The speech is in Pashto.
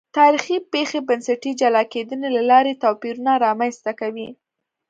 تاریخي پېښې بنسټي جلا کېدنې له لارې توپیرونه رامنځته کوي.